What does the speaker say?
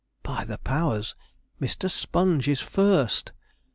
By the powers, Mr. Sponge is first!